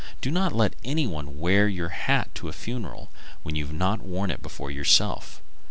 Do not let any one wear your hat to a funeral when you've not worn it before yourself.